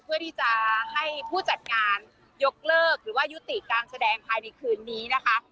เพื่อที่จะให้ผู้จัดงานยกเลิกหรือว่ายุติการแสดงภายในคืนนี้นะคะ